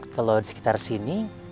kalau di sekitar sini